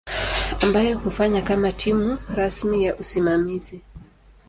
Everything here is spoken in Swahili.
ambayo hufanya kama timu rasmi ya usimamizi.